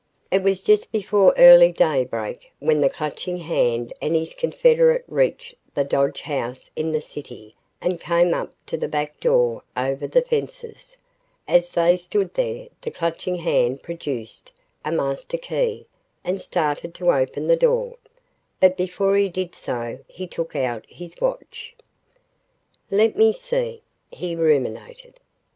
It was just before early daybreak when the Clutching Hand and his confederate reached the Dodge House in the city and came up to the back door, over the fences. As they stood there, the Clutching Hand produced a master key and started to open the door. But before he did so, he took out his watch. "Let me see," he ruminated.